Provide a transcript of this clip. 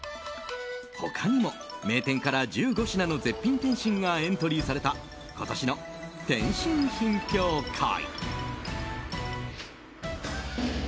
他にも名店から１５品の絶品点心がエントリーされた今年の点心品評会。